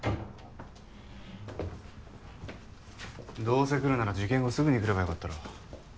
どうせ来るなら事件後すぐに来れば良かったろ。